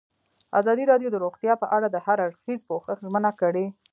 ازادي راډیو د روغتیا په اړه د هر اړخیز پوښښ ژمنه کړې.